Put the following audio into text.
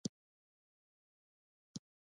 بېړۍ چلوونکي او کپټانان هم شریکې ګټې یې لرلې.